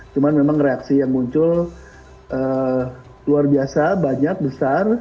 cuma memang reaksi yang muncul luar biasa banyak besar